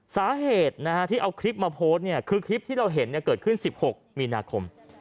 สาเหตุที่เอาคลิปมาโพสต์เนี่ยคือคลิปที่เราเห็นเกิดขึ้น๑๖มีนาคม